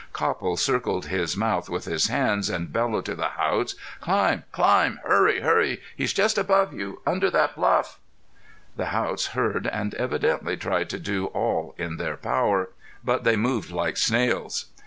Copple circled his mouth with his hands and bellowed to the Haughts: "Climb! Climb! Hurry! Hurry! He's just above you under that bluff." The Haughts heard, and evidently tried to do all in their power, but they moved like snails.